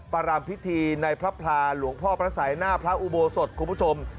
รามพิธีในพระพลาหลวงพ่อพระสัยหน้าพระอุโบสถคุณผู้ชม